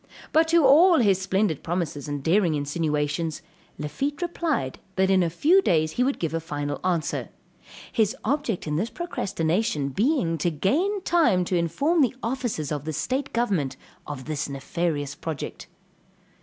But to all his splendid promises and daring insinuations, Lafitte replied that in a few days he would give a final answer; his object in this procrastination being to gain time to inform the officers of the state government of this nefarious project.